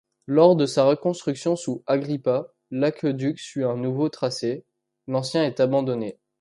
Lors de sa reconstruction sous Agrippa, l'aqueduc suit un nouveau tracé, l'ancien est abandonné.